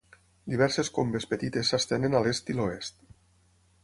Diverses combes petites s'estenen a l'est i l'oest.